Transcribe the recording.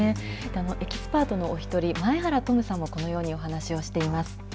エキスパートのお一人、前原土武さんは、このようにお話をしています。